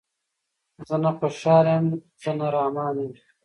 زه نه خوشحال یم زه نه رحمان یم